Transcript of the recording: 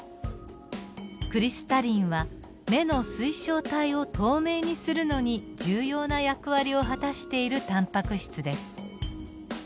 クリスタリンは目の水晶体を透明にするのに重要な役割を果たしているタンパク質です。